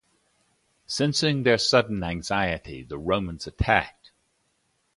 Sensing their sudden anxiety, the Romans attacked.